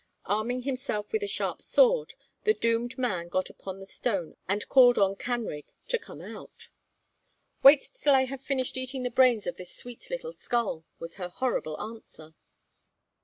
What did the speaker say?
Arming himself with a sharp sword, the doomed man got upon the stone and called on Canrig to come out. 'Wait till I have finished eating the brains in this sweet little skull,' was her horrible answer.